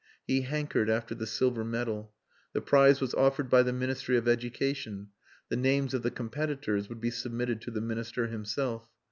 He hankered after the silver medal. The prize was offered by the Ministry of Education; the names of the competitors would be submitted to the Minister himself.